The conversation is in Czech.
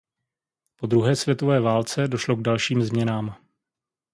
Po druhé světové válce došlo k dalším změnám.